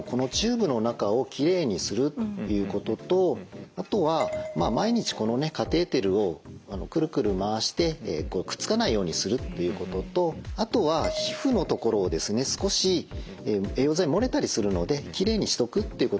ポイントとしてはもうあとは毎日このカテーテルをくるくる回してくっつかないようにするということとあとは皮膚のところをですね少し栄養剤漏れたりするのできれいにしとくっていうことですね。